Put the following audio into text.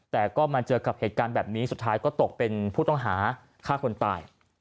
แต่ก็มาเจอกับเหตุการณ์แบบนี้สุดท้ายก็ตกเป็นผู้ต้องหาฆ่าคนตาย